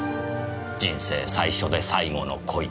人生最初で最後の恋。